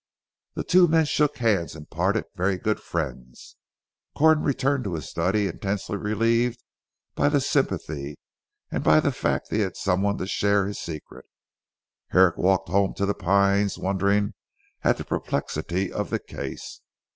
The two men shook hands and parted very good friends. Corn returned to his study intensely relieved by the sympathy, and by the fact that he had some one to share his secret. Herrick walked home to "The Pines" wondering at the perplexity of the case.